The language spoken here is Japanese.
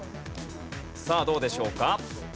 さあどうでしょうか？